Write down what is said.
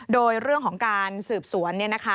โดยเรื่องของการสืบสวน